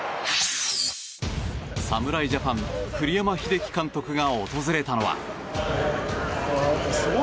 侍ジャパン栗山英樹監督が訪れたのは。